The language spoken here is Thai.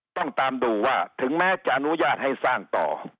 ต้องตามดูว่าถึงแม้จะอนุญาตให้สร้างต่อ